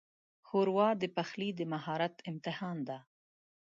ښوروا د پخلي د مهارت امتحان ده.